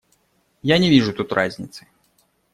Я не вижу тут разницы.